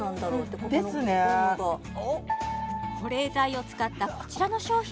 保冷剤を使ったこちらの商品